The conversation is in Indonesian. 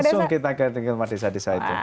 langsung kita datang ke desa desa itu